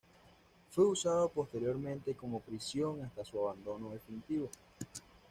Fue usado posteriormente como prisión hasta su abandono definitivo.